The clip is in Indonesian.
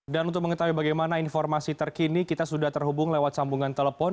dan untuk mengetahui bagaimana informasi terkini kita sudah terhubung lewat sambungan telepon